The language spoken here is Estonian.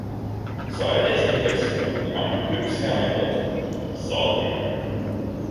Sae testimiseks on ainult üks hea meetod - saagimine.